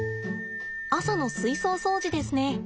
朝の水槽掃除ですね。